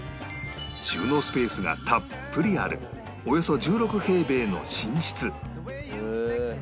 収納スペースがたっぷりあるおよそ１６平米の寝室